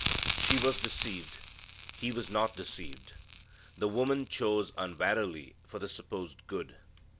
She was deceived. He was not deceived. The woman chose unwarily for the supposed good.